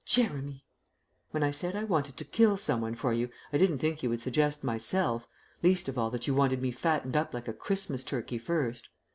"Jeremy!" "When I said I wanted to kill someone for you, I didn't think you would suggest myself, least of all that you wanted me fattened up like a Christmas turkey first.